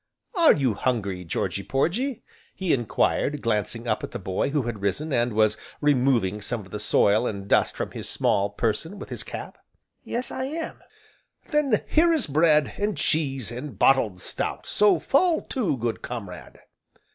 "Are you hungry, Georgy Porgy?" he enquired, glancing up at the boy who had risen, and was removing some of the soil and dust from his small person with his cap. "Yes I am." "Then here is bread, and cheese, and bottled stout, so fall to, good comrade."